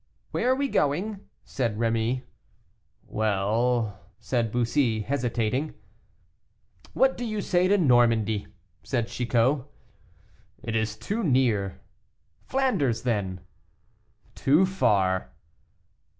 "Where are we going?" said Rémy. "Well " said Bussy, hesitating. "What do you say to Normandy?" said Chicot. "It is too near." "Flanders, then?" "Too far."